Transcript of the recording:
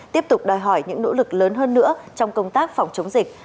tiếp tục đòi hỏi những nỗ lực lớn hơn nữa trong công tác phòng chống dịch